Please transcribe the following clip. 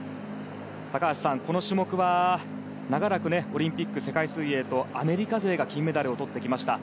高橋さん、この種目は長らくオリンピック、世界水泳とアメリカ勢が金メダルをとってきました。